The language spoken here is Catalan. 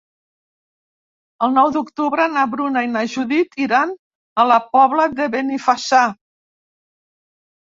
El nou d'octubre na Bruna i na Judit iran a la Pobla de Benifassà.